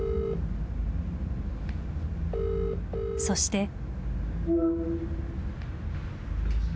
そして。